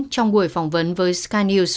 trong buổi phỏng vấn với sky news